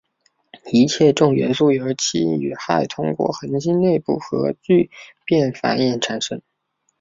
一切重元素由氢与氦通过恒星内部核聚变反应产生。